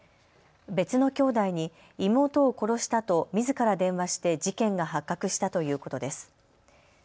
別のきょうだいに妹を殺したとみずから電話して事件が発覚したということです。